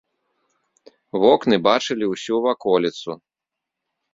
Вокны бачылі ўсю ваколіцу.